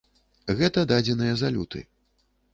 Гэта дадзеныя за люты.